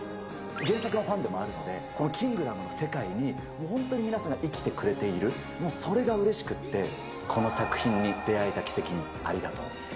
原作のファンでもあるので、このキングダムの世界に、本当に皆さんが生きてくれている、もうそれがうれしくって、この作品に出会えた奇跡にありがとう。